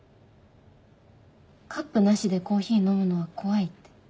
カップなしでコーヒー飲むのは怖いって。